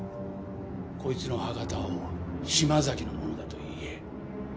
こいつの歯型を島崎のものだと言え。